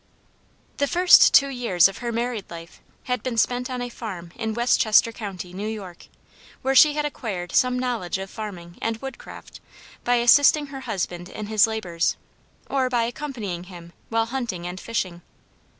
The first two years of her married life had been spent on a farm in Westchester County, New York, where she had acquired some knowledge of farming and woodcraft, by assisting her husband in his labors, or by accompanying him while hunting and fishing.